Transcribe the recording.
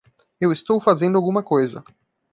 Eu estou fazendo alguma coisa.